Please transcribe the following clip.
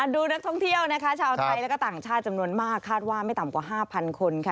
ดูนักท่องเที่ยวนะคะชาวไทยและก็ต่างชาติจำนวนมากคาดว่าไม่ต่ำกว่า๕๐๐คนค่ะ